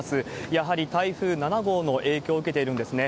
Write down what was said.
やはり台風７号の影響を受けているんですね。